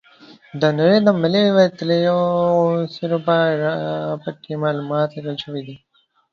د نړۍ د ملي وتلیو څیرو په اړه پکې معلومات لیکل شوي دي.